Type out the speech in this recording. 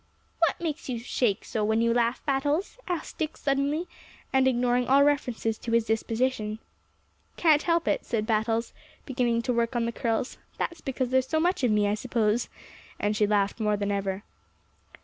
"What makes you shake so when you laugh, Battles?" asked Dick suddenly, and ignoring all references to his disposition. "Can't help it," said Battles, beginning work on the curls; "that's because there's so much of me, I suppose," and she laughed more than ever.